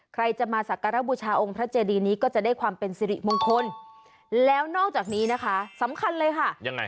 ใครจะมาสักการะบูชาองค์พระเจดีนี้ก็จะได้ความเป็นสิริมงคลแล้วนอกจากนี้นะคะสำคัญเลยค่ะยังไง